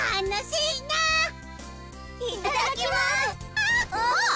いただきます！